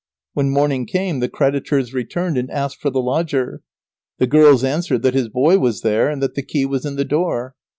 When morning came the creditors returned and asked for the lodger. The girls answered that his boy was there, and that the key was in the door.